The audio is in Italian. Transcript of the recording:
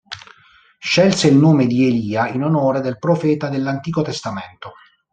Scelse il nome di Elia in onore del profeta dell'Antico Testamento.